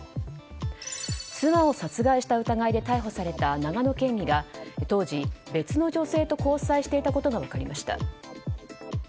妻を殺害した疑いで逮捕された長野県議が当時、別の女性と交際していたことが分かりました。